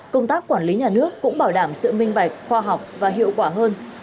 công tác quản lý nhà nước cũng bảo đảm sự minh bạch khoa học và hiệu quả hơn